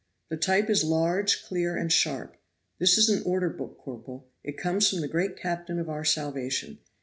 The type is large, clear and sharp. This is an order book, corporal. It comes from the great Captain of our salvation.